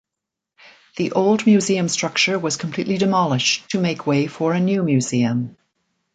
The old museum structure was completely demolished to make way for a new museum.